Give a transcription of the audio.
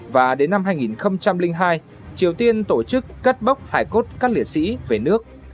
và đến năm hai nghìn hai triều tiên tổ chức cất bốc hải cốt các liệt sĩ về nước